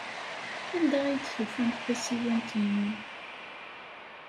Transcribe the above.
Anda ay d-tufamt tasiwant-inu?